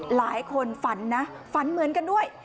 หลายคนฝันนะฝันเหมือนกันด้วย